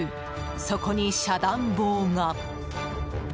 そこに遮断棒が。